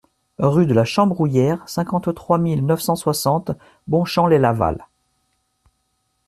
Rue de la Chambrouillère, cinquante-trois mille neuf cent soixante Bonchamp-lès-Laval